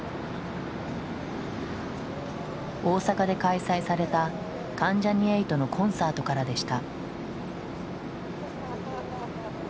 大阪で開催された関ジャニ∞のコンサートからでした。